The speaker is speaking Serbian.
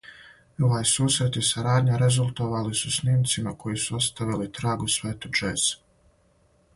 Овај сусрет и сарадња резултовали су снимцима који су оставили траг у свету џеза.